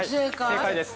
◆正解です。